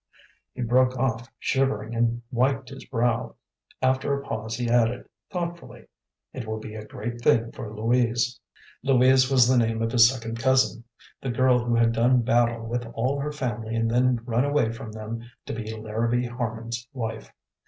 He broke off, shivering, and wiped his brow. After a pause he added thoughtfully, "It will be a great thing for Louise." Louise was the name of his second cousin, the girl who had done battle with all her family and then run away from them to be Larrabee Harman's wife.